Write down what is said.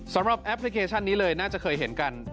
แอปพลิเคชันนี้เลยน่าจะเคยเห็นกัน